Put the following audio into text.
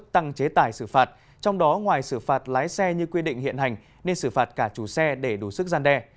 trong đó ngoài xử phạt lái xe như quy định hiện hành nên xử phạt cả chủ xe để đủ sức gian đe